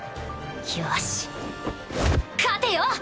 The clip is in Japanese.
よし勝てよ！